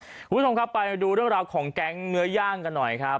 คุณผู้ชมครับไปดูเรื่องราวของแก๊งเนื้อย่างกันหน่อยครับ